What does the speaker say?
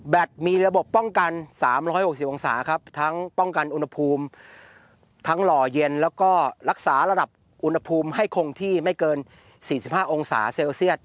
มีระบบป้องกัน๓๖๐องศาครับทั้งป้องกันอุณหภูมิทั้งหล่อเย็นแล้วก็รักษาระดับอุณหภูมิให้คงที่ไม่เกิน๔๕องศาเซลเซียต